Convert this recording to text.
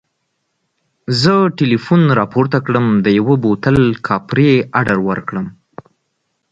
زه ټلیفون راپورته کړم د یوه بوتل کاپري اډر ورکړم.